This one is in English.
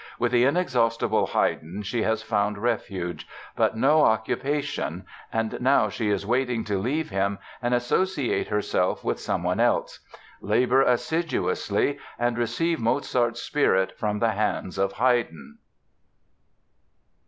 With the inexhaustible Haydn she has found refuge, but no occupation, and now she is waiting to leave him and associate herself with someone else. Labor assiduously and receive Mozart's spirit from the hands of Haydn."